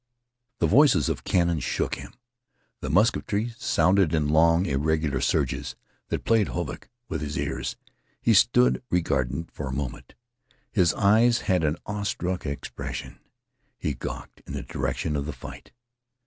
The voices of cannon shook him. The musketry sounded in long irregular surges that played havoc with his ears. He stood regardant for a moment. His eyes had an awestruck expression. He gawked in the direction of the fight.